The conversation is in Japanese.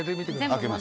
開けます。